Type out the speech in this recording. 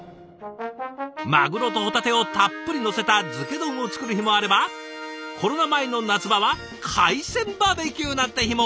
マグロとホタテをたっぷりのせた漬け丼を作る日もあればコロナ前の夏場は海鮮バーベキューなんて日も。